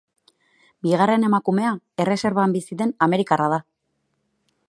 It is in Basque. Bigarren emakumea erreserban bizi den amerikarra da.